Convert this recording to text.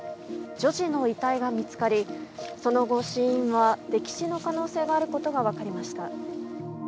女児の遺体が見つかりその後、死因は溺死の可能性があることが分かりました。